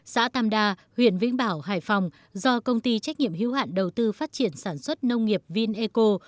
xã tam đa huyện vĩnh bảo hải phòng do công ty trách nhiệm hữu hạn đầu tư phát triển sản xuất nông nghiệp vineco